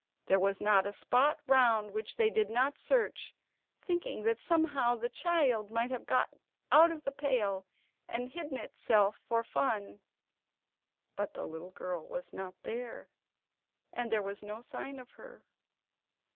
There was not a spot round about which they did not search, thinking that somehow the child might have got out of the pail and hidden itself for fun; but the little girl was not there, and there was no sign of her.